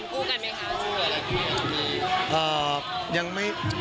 มีงานคู่กันไหมคะคู่อะไรอย่างนี้ยังไม่มี